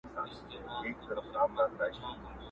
د ښار ټولو اوسېدونكو ته عيان وو!!